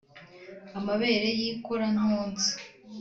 amabere yikora ntonsa